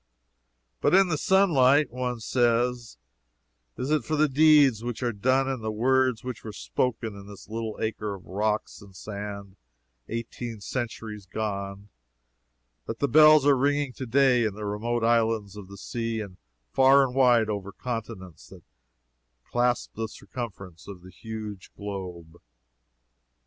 But in the sunlight, one says: Is it for the deeds which were done and the words which were spoken in this little acre of rocks and sand eighteen centuries gone, that the bells are ringing to day in the remote islands of the sea and far and wide over continents that clasp the circumference of the huge globe?